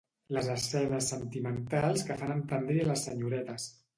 Les escenes sentimentals que fan entendrir a les senyoretes